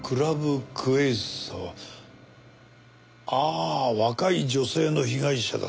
ああ若い女性の被害者だった。